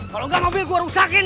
kalau gak mobil gua rusakin